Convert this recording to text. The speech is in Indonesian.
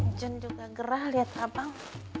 ncun juga gerah liat abang